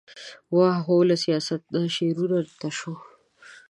واه ! هو له سياست نه شعرونو ته شوې ،